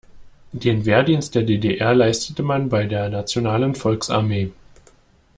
Den Wehrdienst der D-D-R leistete man bei der nationalen Volksarmee.